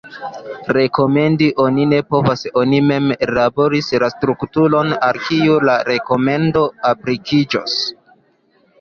Rekomendi oni povas se oni mem ellaboris la strukturon al kiu la rekomendo aplikiĝos.